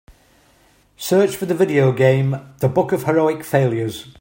Search for the video game The Book of Heroic Failures